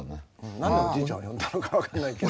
何でおじいちゃんを呼んだのか分かんないけど。